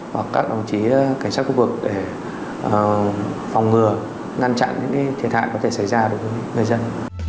hoặc các đồng chí cảnh sát khu vực để phòng ngừa ngăn chặn những thiệt hại có thể xảy ra đối với người dân